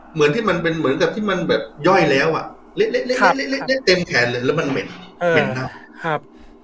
เหมือนที่มันเป็นเหมือนกับที่มันแบบย่อยแล้วอ่ะเละเต็มแขนเลยแล้วมันเหม็นเหม็นครับ